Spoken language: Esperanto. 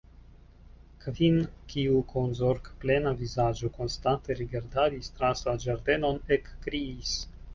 Kvin, kiu kun zorgplena vizaĝo konstante rigardadis trans la ĝardenon, ekkriis.